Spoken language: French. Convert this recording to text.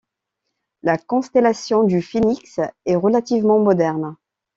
La constellation du Phénix est relativement moderne.